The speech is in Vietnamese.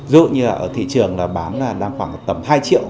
dù như là ở thị trường là bán là đang khoảng tầm hai triệu